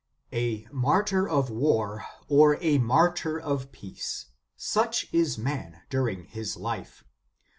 * A martyr of war, or a martyr of peace ; such is man during his life.